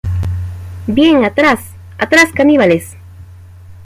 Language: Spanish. ¡ Bien, atrás! ¡ atrás, caníbales!